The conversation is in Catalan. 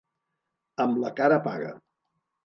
Amb la cara paga.